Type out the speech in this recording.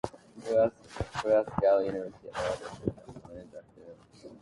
Glasgow University awarded him an honorary Doctor of Divinity later in the same year.